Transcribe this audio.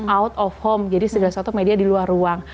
out of home jadi segala suatu media di luar ruang